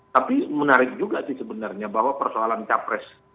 tapi menarik juga sih sebenarnya bahwa persoalan capres